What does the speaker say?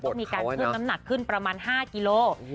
ต้องมีการเพิ่มน้ำหนักขึ้นประมาณ๕กิโลกรัม